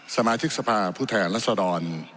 สมาชิกสภาพผู้แทนรัศดร